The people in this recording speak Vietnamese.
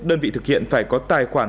đơn vị thực hiện phải có tài khoản